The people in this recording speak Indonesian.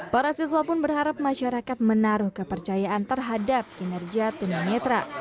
para siswa pun berharap masyarakat menaruh kepercayaan terhadap kinerja tuna netra